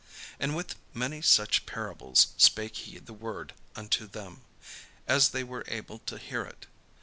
And with many such parables spake he the word unto them, as they were able to hear it.